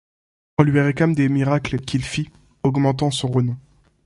On lui réclama des miracles qu'il fit, augmentant son renom.